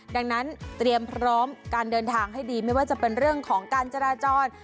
ดังนั้นเตรียมพร้อมการเดินทางให้ดีไม่ว่าจะเป็นเรื่องของการจราจร